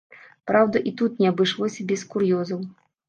Праўда, і тут не абышлося без кур'ёзаў.